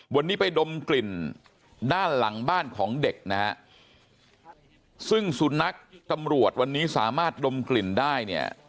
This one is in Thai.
วันนี้ไปดมกลิ่นด้านหลังบ้านของเด็กนะฮะซึ่งสุนัขตำรวจวันนี้สามารถดมกลิ่นได้เนี่ย